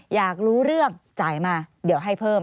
อยากรู้เรื่องจ่ายมาเดี๋ยวให้เพิ่ม